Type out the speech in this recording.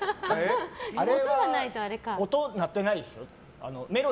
あれは音、鳴ってないでしょ？